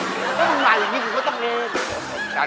ก็มันมาอย่างนี้ก็ต้องเล่น